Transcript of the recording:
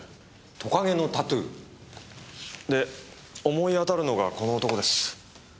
トカゲのタトゥー？で思い当たるのがこの男です。